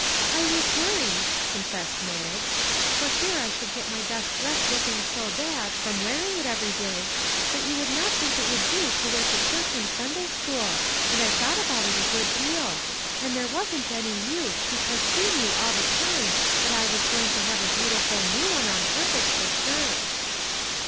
" I was worried," confessed Mag, " for fear I should get my best dress looking so bad, from wearing it every day, that you would not think it would do to wear to church and Sunday school, and I thought about it a good deal ; and there wasn't any use, because he knew all the time that I was going to have a beautiful new one on purpose for church."